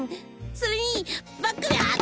それにバックベアあっ！